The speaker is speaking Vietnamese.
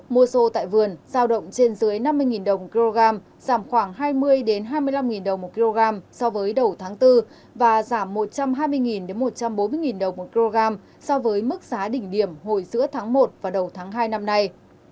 mua xô tại vườn giao động trên dưới năm mươi đồng kg giảm khoảng hai mươi hai mươi năm đồng một kg so với đầu tháng bốn và giảm một trăm hai mươi một trăm bốn mươi đồng một kg so với mức giá đỉnh điểm hồi giữa tháng một và đầu tháng hai năm nay